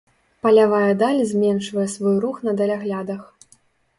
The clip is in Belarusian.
Палявая даль зменшвае свой рух на даляглядах.